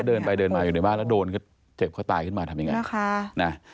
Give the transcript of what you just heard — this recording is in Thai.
เดินไปเดินมาอยู่ในบ้านแล้วโดนก็เจ็บเขาตายขึ้นมาทำยังไงนะคะ